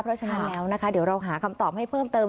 เพราะฉะนั้นแล้วนะคะเดี๋ยวเราหาคำตอบให้เพิ่มเติม